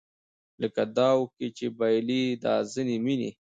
لکه داو کې چې بایلي دا ځینې مینې